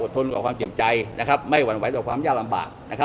อดทนกับความเจ็บใจนะครับไม่หวั่นไหวต่อความยากลำบากนะครับ